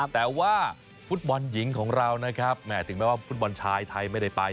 แต่ว่าฟุตบอลหญิงของเรานะครับถึงแม้ว่าฟุตบอลชายไทยไม่ได้ไป